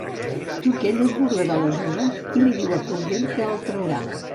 Turkell es burla de la Susan, i li diu a Cordell que el traurà.